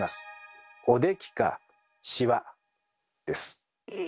「おでき」か「しわ」です。